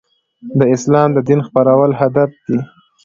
د اسلام د دین خپرول هدف دی.